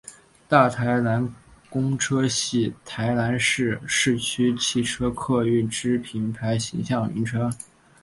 大台南公车系台南市市区汽车客运之品牌形象名称。